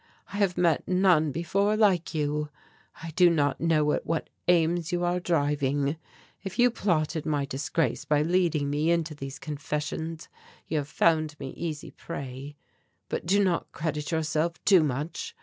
"I have met none before like you. I do not know at what aims you are driving. If you plotted my disgrace by leading me into these confessions, you have found me easy prey. But do not credit yourself too much.